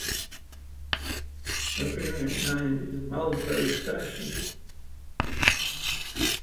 A variant name is "Muldrow Station".